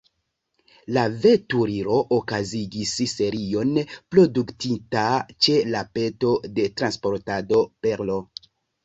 La veturilo okazigis serion produktita ĉe la peto de Transportado Perlo.